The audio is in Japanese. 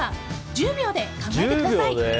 １０秒で考えてください。